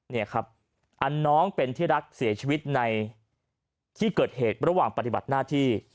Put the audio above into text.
นี่ครับอันน้องเป็นที่รักเสียชีวิตในที่เกิดเหตุระหว่างปฏิบัติหน้าที่